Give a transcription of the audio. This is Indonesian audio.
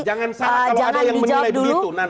jangan salah kalau ada yang menilai begitu